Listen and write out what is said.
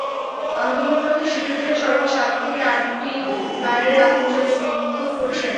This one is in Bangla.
আন্দোলনরত শিক্ষার্থীরা সড়কে সাত থেকে আটটি টায়ারে আগুন জ্বালিয়ে বিক্ষোভ করছেন।